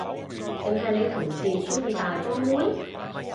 定係你同事鍾意大波妹？